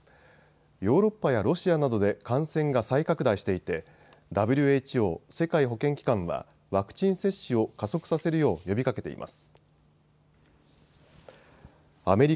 ヨーロッパやロシアなどで感染が再拡大していてＷＨＯ・世界保健機関はワクチン接種を加速させるよう呼びかけています。